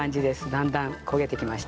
だんだん焦げてきました。